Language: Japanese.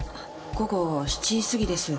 午後７時過ぎです。